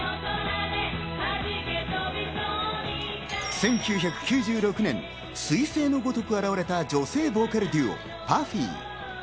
１９９６年、彗星のごとく現れた女性ボーカルデュオ、ＰＵＦＦＹ。